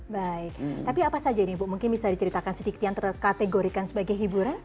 baik tapi apa saja ini bu mungkin bisa diceritakan sedikit yang terkategorikan sebagai hiburan